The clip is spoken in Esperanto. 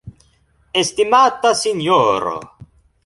Estimata Sinjoro!